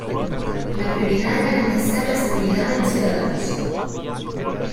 La prioridad es garantizar la seguridad de los ciudadanos.